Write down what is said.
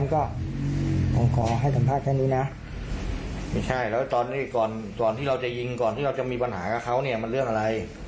ก่อนที่เราจะยิงก่อนที่เราจะมีปัญหากับเขาเนี่ยมันเรื่องอะไร